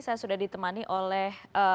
saya sudah ditemani oleh